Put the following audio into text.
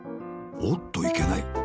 おっといけない。